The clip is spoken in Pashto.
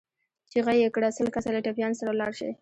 چيغه يې کړه! سل کسه له ټپيانو سره لاړ شئ.